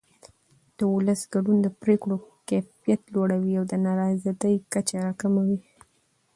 د ولس ګډون د پرېکړو کیفیت لوړوي او د نارضایتۍ کچه راکموي